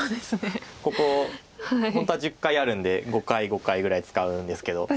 ここ本当は１０回あるんで５回５回ぐらい使うんですけど。